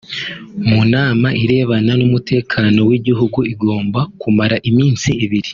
mu nama irebana n’umutekano w’igihugu igomba kumara iminsi ibiri